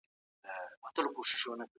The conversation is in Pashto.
ایا مسلکي بڼوال انځر ساتي؟